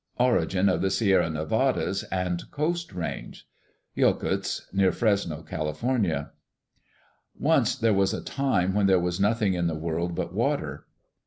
Origin of the Sierra Nevadas and Coast Range Yokuts (near Fresno, Cal.) Once there was a time when there was nothing in the world but water.